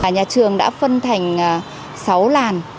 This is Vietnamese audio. nhà trường đã phân thành sáu làn